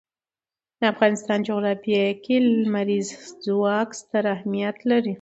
د افغانستان جغرافیه کې لمریز ځواک ستر اهمیت لري.